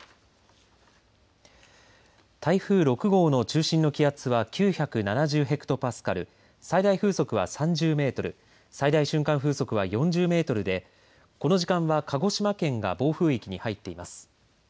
台風６号の中心の気圧は９７０ヘクトパスカル、最大風速は３０メートル、最大瞬間風速は４０メートルでこの時間は鹿児島県が暴風域に入っています。